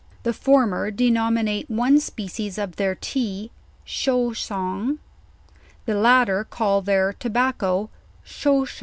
The former denominate one species of their tea, shousong; the latter call their tobacco shossau.